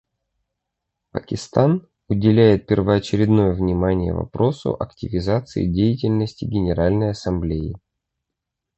Пакистан уделяет первоочередное внимание вопросу активизации деятельности Генеральной Ассамблеи.